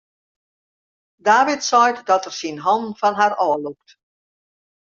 David seit dat er syn hannen fan har ôflûkt.